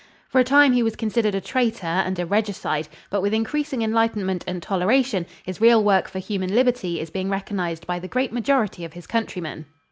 For a time he was considered a traitor and regicide, but with increasing enlightenment and toleration, his real work for human liberty is being recognized by the great majority of his countrymen.